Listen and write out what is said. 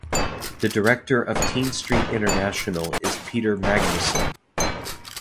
The Director of TeenStreet International is Peter Magnusson.